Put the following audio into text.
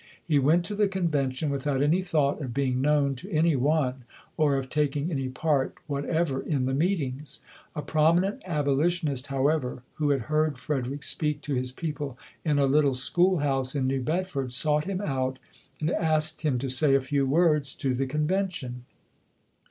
He went to the convention without any thought of being known to any one or of taking any part whatever in the meetings. A prominent abolition ist, however, who had heard Frederick speak to his people in a little schoolhouse in New Bedford, sought him out and asked him to say a few words to the convention.